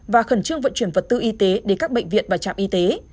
và khẩn trương vận chuyển vật tư y tế đến các bệnh viện và trạm y tế